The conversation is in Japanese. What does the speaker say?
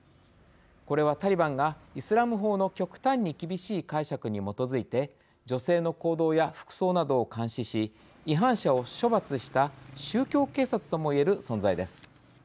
これは、タリバンがイスラム法の極端に厳しい解釈に基づいて女性の行動や服装などを監視し違反者を処罰した宗教警察ともいえる存在です。